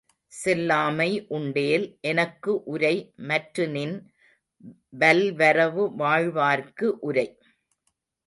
செல்லாமை உண்டேல் எனக்குஉரை மற்றுநின் வல்வரவு வாழ்வார்க்கு உரை.